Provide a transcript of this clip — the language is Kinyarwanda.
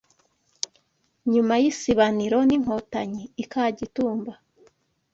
Nyuma y’isibaniro n’Inkotanyi i Kagitumba